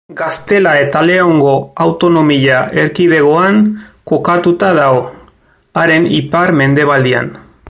Gaztela eta Leongo autonomia erkidegoan kokatuta dago, haren ipar-mendebaldean.